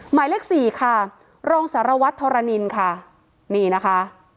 หมายเลขสี่ค่ะรองสารวัตรธรณินค่ะนี่นะคะ